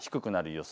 予想